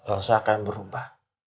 elsa akan berubah